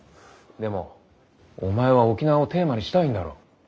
でもお前は沖縄をテーマにしたいんだろ？